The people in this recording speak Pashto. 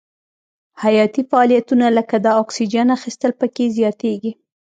حیاتي فعالیتونه لکه د اکسیجن اخیستل پکې زیاتیږي.